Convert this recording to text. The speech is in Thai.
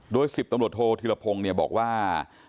โดย๑๐ตำรวจโทษธิรพงศ์บอกว่า